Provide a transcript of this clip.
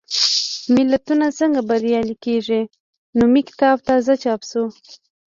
ملتونه څنګه بریالي کېږي؟ نومي کتاب تازه چاپ شو.